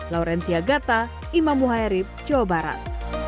laurencia gatta imam muhairif jawa barat